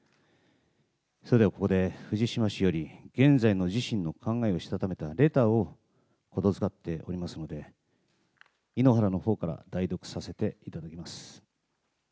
それではここで、藤島氏より現在の自身の考えをしたためたレターをことづかっておりますので、井ノ原のほうから代読させていただきます。